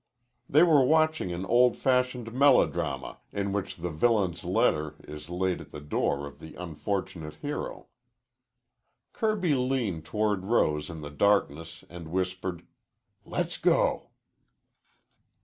They were watching an old fashioned melodrama in which the villain's letter is laid at the door of the unfortunate hero. Kirby leaned toward Rose in the darkness and whispered, "Let's go."